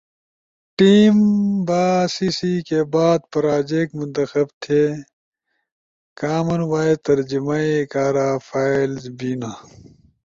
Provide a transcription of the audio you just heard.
ٹیم۔ با سیسی کے بعد پراجیکٹ منتخب تھے۔ کامن وائس ترجمائی کارا فائلز بینا۔